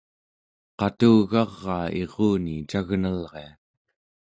qatugaraa iruni cagnelria